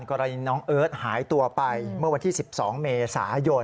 กรณีน้องเอิร์ทหายตัวไปเมื่อวันที่๑๒เมษายน